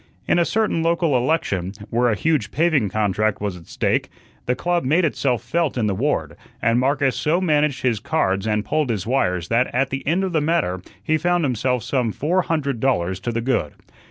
In a certain local election, where a huge paving contract was at stake, the club made itself felt in the ward, and Marcus so managed his cards and pulled his wires that, at the end of the matter, he found himself some four hundred dollars to the good.